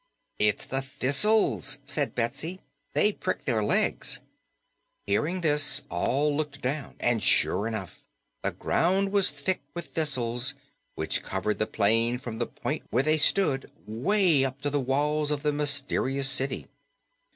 "It's the thistles," said Betsy. "They prick their legs." Hearing this, all looked down, and sure enough the ground was thick with thistles, which covered the plain from the point where they stood way up to the walls of the mysterious city.